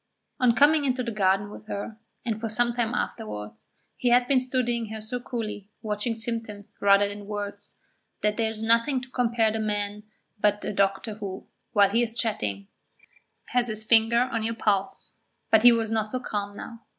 On coming into the garden with her, and for some time afterwards, he had been studying her so coolly, watching symptoms rather than words, that there is nothing to compare the man to but a doctor who, while he is chatting, has his finger on your pulse. But he was not so calm now.